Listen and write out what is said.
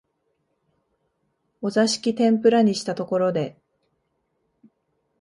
お座敷天婦羅にしたところで、